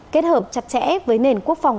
kết hợp chặt chẽ với nền quốc phòng